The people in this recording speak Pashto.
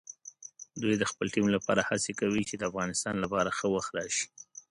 دوی د خپل ټیم لپاره هڅې کوي چې د افغانستان لپاره ښه وخت راشي.